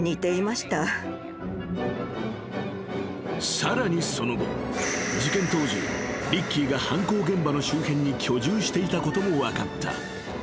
［さらにその後事件当時リッキーが犯行現場の周辺に居住していたことも分かった］